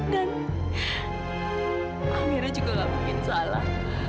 dan amira juga nggak mungkin salah